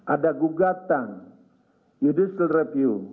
ada gugatan judicial review